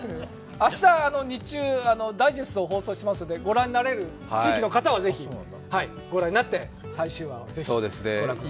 明日日中、ダイジェストを放送しますのでご覧になれる地域の方はぜひご覧になって、最終話をぜひご覧ください。